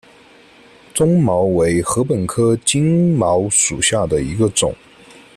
棕茅为禾本科金茅属下的一个种。